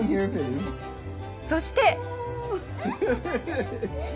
そして。